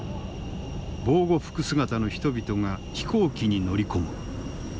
防護服姿の人々が飛行機に乗り込む。